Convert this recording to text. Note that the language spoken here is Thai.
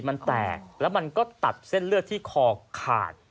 มันแตกแล้วมันก็ตัดเส้นเลือดที่คอขาด